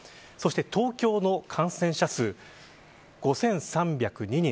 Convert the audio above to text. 東京の感染者数５３０２人。